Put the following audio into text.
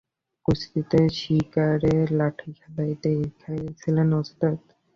কুস্তিতে শিকারে লাঠিখেলায় ছিলেন ওস্তাদ।